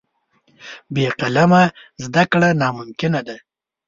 بې قلمه زده کړه ناممکنه ده.